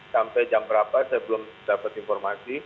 sampai jam berapa saya belum dapat informasi